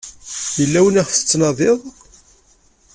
Yella win iɣef tettnadiḍ?